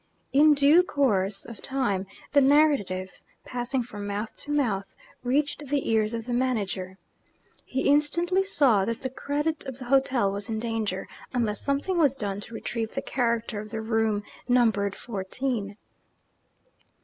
In due course of time, the narrative, passing from mouth to mouth, reached the ears of the manager. He instantly saw that the credit of the hotel was in danger, unless something was done to retrieve the character of the room numbered Fourteen.